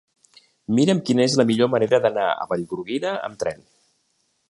Mira'm quina és la millor manera d'anar a Vallgorguina amb tren.